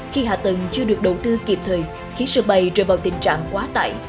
khi hạ tầng chưa được đầu tư kịp thời khiến sơ bay rời vào tình trạng quá tải